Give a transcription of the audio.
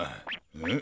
うん？